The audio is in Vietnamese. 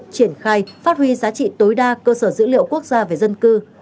triển khai phát huy giá trị tối đa cơ sở dữ liệu quốc gia về dân cư